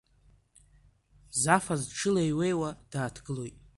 Зафас дшылеиҩеиуа дааҭгылоит.